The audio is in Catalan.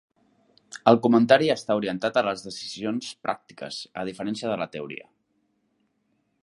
El comentari està orientat a les decisions pràctiques, a diferència de la teoria.